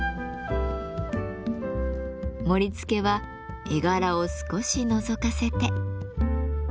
盛りつけは絵柄を少しのぞかせて。